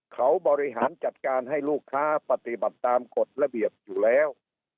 เขาบริหารจัดการให้ลูกค้าปฏิบัติตามกฎระเบียบอยู่แล้ว